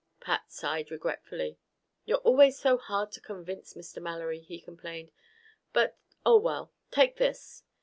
Pat sighed regretfully. "You're always so hard to convince, Mr. Mallory," he complained. "But oh, well! Take this."